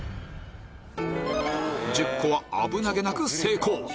１０個は危なげなく成功